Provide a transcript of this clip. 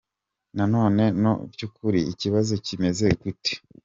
None mu vy'ukuri ikibazo kimeze gute?.